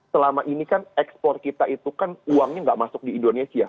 selama ini kan ekspor kita itu kan uangnya nggak masuk di indonesia